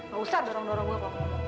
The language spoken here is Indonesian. gak usah dorong dorong gua pak